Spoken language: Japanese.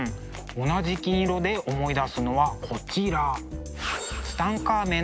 同じ金色で思い出すのはこちら。